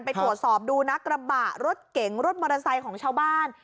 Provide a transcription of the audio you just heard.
ไปตรวจสอบดูนะกระบะรถเก๋งรถมอเตอร์ไซค์ของชาวบ้าน